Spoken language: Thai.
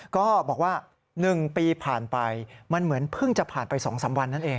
ก็บอกว่า๑ปีผ่านไปมันเหมือนเพิ่งจะผ่านไป๒๓วันนั่นเอง